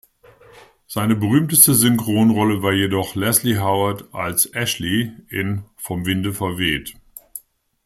Seine berühmteste Synchronrolle war jedoch Leslie Howard als „Ashley“ in "Vom Winde verweht".